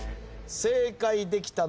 正解できたのは。